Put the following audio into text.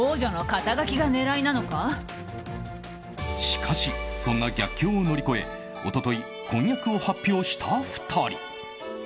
しかし、そんな逆境を乗り越え一昨日、婚約を発表した２人。